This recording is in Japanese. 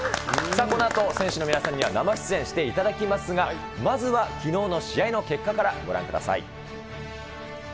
このあと、選手の皆さんには生出演していただきますが、まずは、きのうの試合の結果からご覧ください。